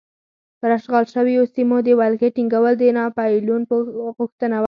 پر اشغال شویو سیمو د ولکې ټینګول د ناپلیون غوښتنه وه.